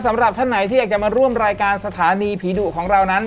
สำหรับท่านไหนที่อยากจะมาร่วมรายการสถานีผีดุของเรานั้น